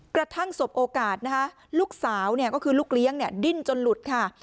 สบโอกาสนะคะลูกสาวเนี่ยก็คือลูกเลี้ยงเนี่ยดิ้นจนหลุดค่ะ